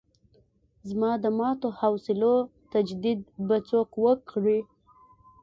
زما د ماتو حوصلو تجدید به څوک وکړي.